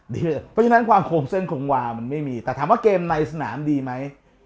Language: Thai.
เพราะฉะนั้นความโครงเส้นโคมวามันไม่มีแต่ถามว่าเกมในสนามดีไหม